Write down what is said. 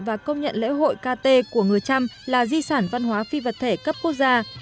và công nhận lễ hội kt của người trăm là di sản văn hóa phi vật thể cấp quốc gia